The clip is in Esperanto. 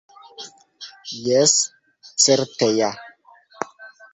Jes, certe ja!